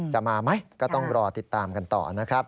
จะมาไหมก็ต้องรอติดตามกันต่อนะครับ